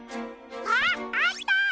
あっあった！